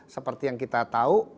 seperti yang kita tahu